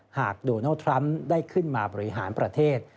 หากโดนัลด์ทรัมป์ได้ขึ้นมาบริหารประเทศ